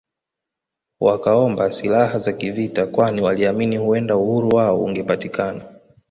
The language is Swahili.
Wakaomba silaha za kivita kwani waliamini huenda uhuru wao ungepatikana